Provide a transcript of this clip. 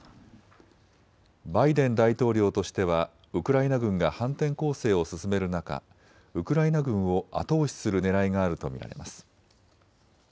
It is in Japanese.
バイデン大統領としてはウクライナ軍が反転攻勢を進める中、ウクライナ軍を後押しするねらいがあると見られます。